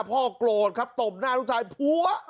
โกรธครับตบหน้าลูกชายพัว